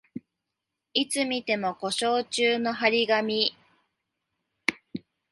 いつ見ても故障中の張り紙